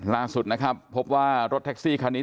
ล่าสุดนะครับพบว่ารถแท็กซี่คันนี้